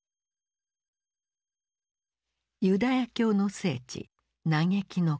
ユダヤ教の聖地嘆きの壁。